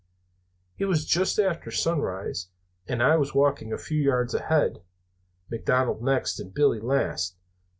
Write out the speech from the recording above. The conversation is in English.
"It was just after sunrise. I was walking a few yards ahead, McDonald next, and Billy last.